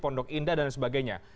pondok indah dan sebagainya